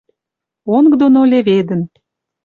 Онг доно леведӹн...